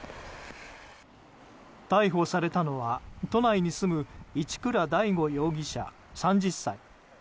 逮捕されたのは都内に住む一倉大悟容疑者、３０歳。